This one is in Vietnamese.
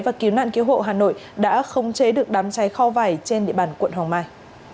và cứu nạn cứu hộ hà nội đã không chế được đám cháy kho vải trên địa bàn quận hoàng mai